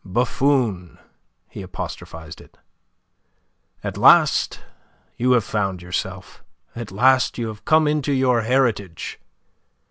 "Buffoon!" he apostrophized it. "At last you have found yourself. At last you have come into your heritage.